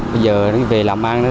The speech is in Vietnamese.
bây giờ về làm ăn